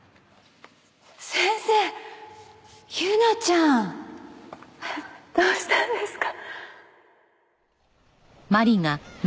夕菜ちゃん！どうしたんですか？